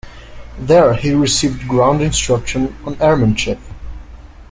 There he received ground instruction on airmanship.